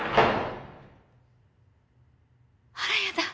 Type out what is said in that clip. あらやだ！